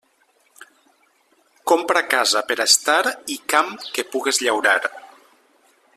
Compra casa per a estar i camp que pugues llaurar.